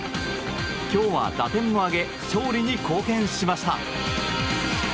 今日は打点を挙げ勝利に貢献しました。